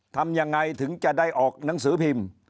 ทำยังไงถึงจะได้ออกหนังสือพิมพ์